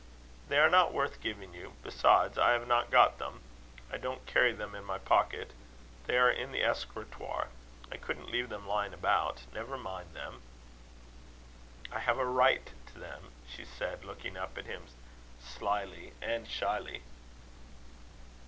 "They are not worth giving you. Besides, I have not got them. I don't carry them in my pocket. They are in the escritoire. I couldn't leave them lying about. Never mind them." "I have a right to them," she said, looking up at him slyly and shyly.